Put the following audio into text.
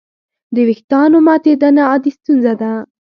د وېښتیانو ماتېدنه عادي ستونزه ده.